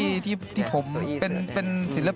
เพราะว่าใจแอบในเจ้า